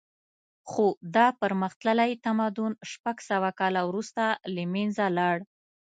خو دا پرمختللی تمدن شپږ سوه کاله وروسته له منځه لاړ